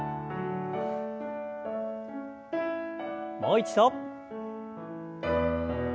もう一度。